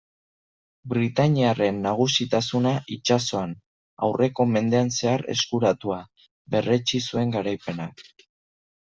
Britainiarren nagusitasuna itsasoan, aurreko mendean zehar eskuratua, berretsi zuen garaipenak.